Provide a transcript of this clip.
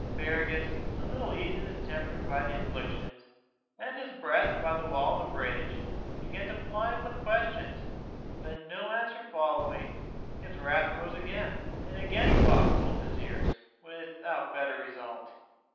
Fergus, a little eased in his temper by the infliction, and in his breath by the wall of the bridge, began to ply him with questions; but no answer following, his wrath rose again, and again he boxed both his ears without better result.